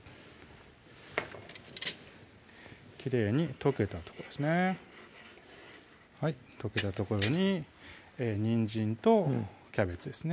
きれいに溶けたとこですね溶けたところににんじんとキャベツですね